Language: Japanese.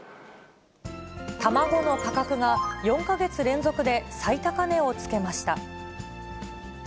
卵の価格が４か月連続で最高値をつけました。